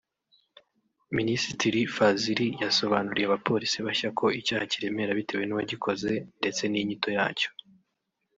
Minisitiri Fazil yasobanuriye abapolisi bashya ko icyaha kiremera bitewe n’uwagikoze ndetse n’inyito yacyo